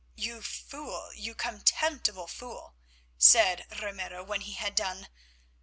"You fool, you contemptible fool!" said Ramiro when he had done.